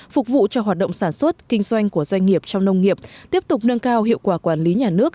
phục vụ cho hoạt động sản xuất kinh doanh của doanh nghiệp trong nông nghiệp tiếp tục nâng cao hiệu quả quản lý nhà nước